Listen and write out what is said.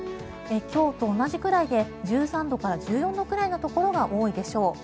今日と同じくらいで１３度から１４度くらいのところが多いでしょう。